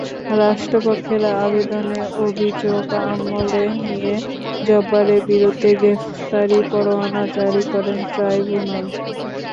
রাষ্ট্রপক্ষের আবেদনে অভিযোগ আমলে নিয়ে জব্বারের বিরুদ্ধে গ্রেপ্তারি পরোয়ানা জারি করেন ট্রাইব্যুনাল।